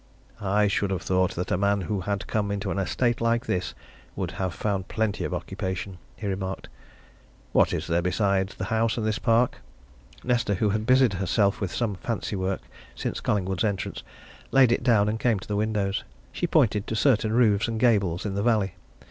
"I should have thought that a man who had come into an estate like this would have found plenty of occupation," he remarked. "What is there, beside the house and this park?" Nesta, who had busied herself with some fancy work since Collingwood's entrance, laid it down and came to the windows. She pointed to certain roofs and gables in the valley.